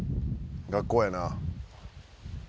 「学校やな」